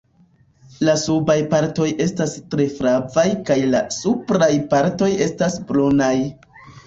La subaj partoj estas tre flavaj kaj la supraj partoj estas brunaj.